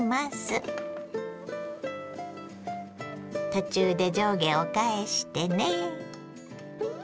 途中で上下を返してね。